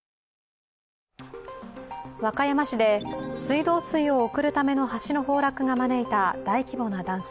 和歌山市で水道水を送るための橋の崩落が招いた大規模な断水。